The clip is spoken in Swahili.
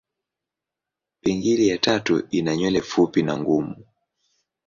Pingili ya tatu ina nywele fupi na ngumu.